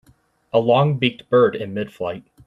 A longbeaked bird in midflight.